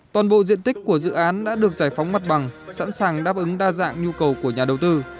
toàn bộ diện tích của dự án đã được giải phóng mặt bằng sẵn sàng đáp ứng đa dạng nhu cầu của nhà đầu tư